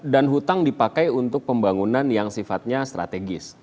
hutang dipakai untuk pembangunan yang sifatnya strategis